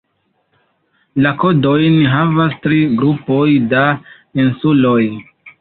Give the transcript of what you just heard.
La kodojn havas tri grupoj da insuloj.